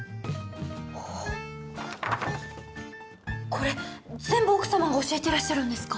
これ全部奥様が教えてらっしゃるんですか？